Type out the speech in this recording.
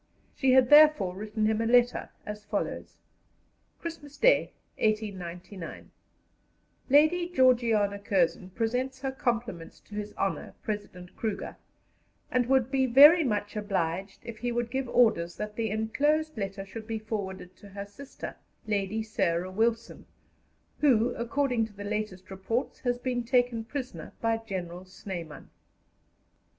She had therefore written him a letter as follows: "Christmas Day, 1899. "Lady Georgiana Curzon presents her compliments to His Honour President Kruger, and would be very much obliged if he would give orders that the enclosed letter should be forwarded to her sister, Lady Sarah Wilson, who, according to the latest reports, has been taken prisoner by General Snyman."